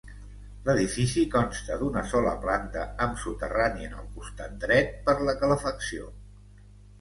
L'edifici consta d'una sola planta, amb soterrani en el costat dret per la calefacció.